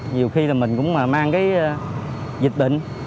nhiều khi là mình cũng mang cái dịch bệnh